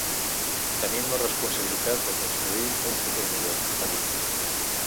Tenim la responsabilitat de construir un futur millor, ha dit.